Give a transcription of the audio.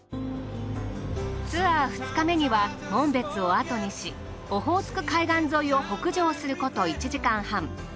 ツアー２日目には紋別を後にしオホーツク海岸沿いを北上すること１時間半。